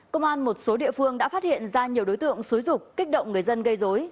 công an một số địa phương đã phát hiện ra nhiều đối tượng xúi rục kích động người dân gây dối